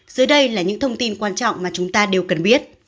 dưới đây là những thông tin quan trọng mà chúng ta đều cần biết